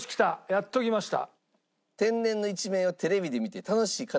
やっときました。